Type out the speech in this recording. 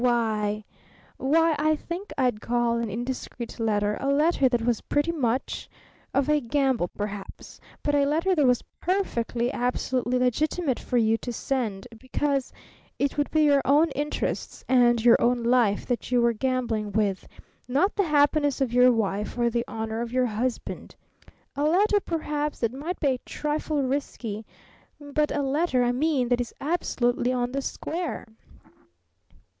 "Why why I think I'd call an 'indiscreet letter' a letter that was pretty much of a gamble perhaps, but a letter that was perfectly, absolutely legitimate for you to send, because it would be your own interests and your own life that you were gambling with, not the happiness of your wife or the honor of your husband. A letter, perhaps, that might be a trifle risky but a letter, I mean, that is absolutely on the square!"